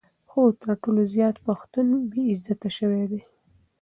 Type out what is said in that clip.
خو تر ټولو زیات پښتون بې عزته شوی دی.